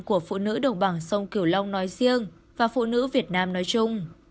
của phụ nữ đồng bằng sông cửu long nói riêng và phụ nữ việt nam nói chung